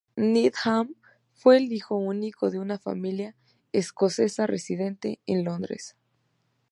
Needham fue el hijo único de una familia escocesa residente en Londres.